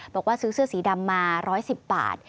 บอกว่าซื้อเสื้อสีดำมา๑๑๐บาท